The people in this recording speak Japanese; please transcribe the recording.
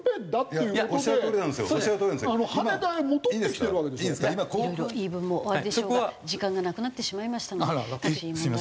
いろいろ言い分もおありでしょうが時間がなくなってしまいましたので。